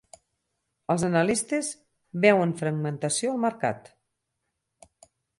Els analistes veuen fragmentació al mercat.